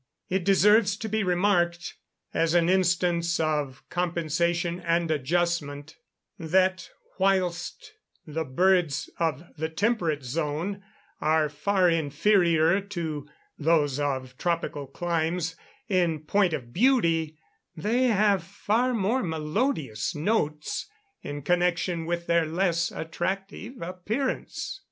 It deserves to be remarked, as an instance of compensation and adjustment, that whilst the birds of the temperate zone are far inferior to those of tropical climes in point of beauty, they have far more melodious notes in connection with their less attractive appearance.